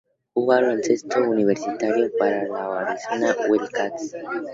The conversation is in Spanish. Jugó baloncesto universitario para los Arizona Wildcats.